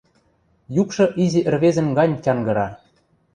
Юкшы изи ӹрвезӹн гань тянгыра.